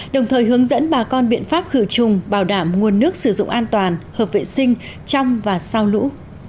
đồng thời hướng dẫn bà con biện pháp khử trùng bảo đảm nguồn nước sử dụng an toàn hợp vệ sinh trong và sau lũ